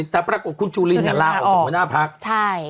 แต่ปรากฏคุณจุลินลาออกจากหัวหน้าพักใช่